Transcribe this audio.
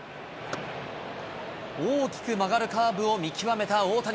大きく曲がるカーブを見極めた大谷。